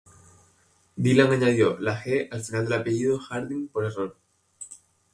Dylan añadió la ge al final del apellido Hardin por error.